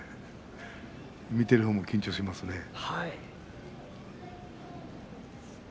見ているほうも緊張しますね。